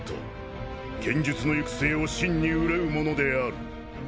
剣術の行く末を真に憂う者である。